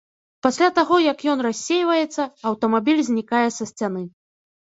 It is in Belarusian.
Пасля таго, як ён рассейваецца, аўтамабіль знікае са сцяны.